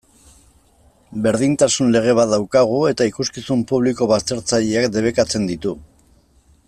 Berdintasun lege bat daukagu, eta ikuskizun publiko baztertzaileak debekatzen ditu.